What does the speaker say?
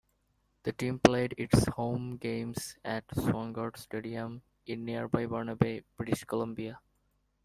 The team played its home games at Swangard Stadium in nearby Burnaby, British Columbia.